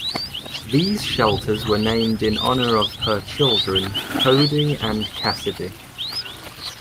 These shelters were named in honor of her children, Cody and Cassidy.